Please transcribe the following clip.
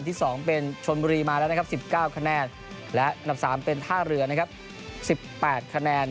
ที่๒เป็นชนบุรีมาแล้วนะครับ๑๙คะแนนและอันดับ๓เป็นท่าเรือนะครับ๑๘คะแนน